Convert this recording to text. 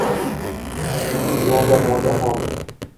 Yo’lda nogahon.